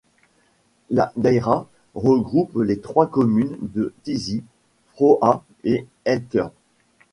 La daïra regroupe les trois communes de Tizi, Froha et El Keurt.